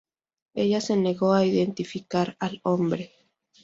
Ella se negó a identificar al hombre.